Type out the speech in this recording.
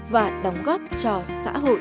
và đóng góp cho xã hội